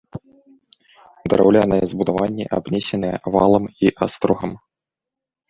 Драўляныя збудаванні абнесеныя валам і астрогам.